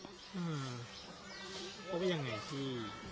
อืมเพราะว่าอย่างไรที่